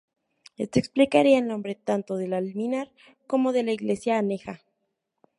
Esto explicaría el nombre tanto del alminar como de la iglesia aneja.